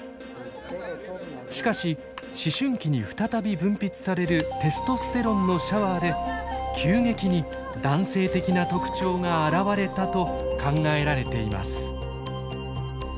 しかし思春期に再び分泌されるテストステロンのシャワーで急激に男性的な特徴が現れたと考えられています。